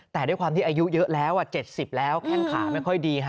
แต่ด้วยความที่อายุเยอะแล้ว๗๐แล้วแข้งขาไม่ค่อยดี